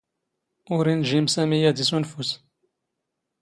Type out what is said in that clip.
ⵓⵔ ⵉⵏⵊⵉⵎ ⵙⴰⵎⵉ ⴰⴷ ⵉⵙⵓⵏⴼⵓⵙ.